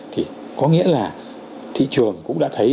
thì có nghĩa là thị trường cũng đã thấy